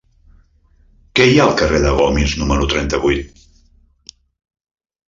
Què hi ha al carrer de Gomis número trenta-vuit?